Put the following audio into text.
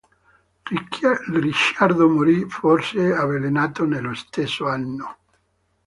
Ricciardo morì forse avvelenato nello stesso anno.